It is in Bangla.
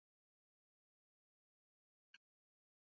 এটি ইরিত্রিয়া, ইথিওপিয়া, জিবুতি এবং সোমালিয়া নিয়ে গঠিত।